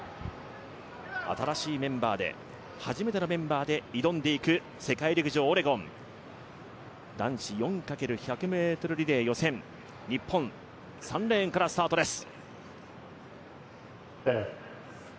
新しいメンバーで、初めてのメンバーで挑んでいく世界陸上オレゴン、男子４×１００ｍリレー予選、日本、３レーンからスタートです。